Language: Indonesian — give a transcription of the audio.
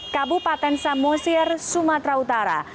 kabupaten samosir sumatera utara